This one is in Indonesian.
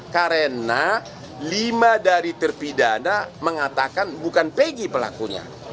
karena lima dari terpidana mengatakan bukan pegi pelakunya